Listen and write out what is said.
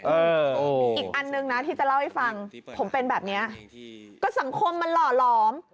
อีกอันนึงนะที่จะเล่าให้ฟังผมเป็นแบบเนี้ยก็สังคมมันหล่อหลอม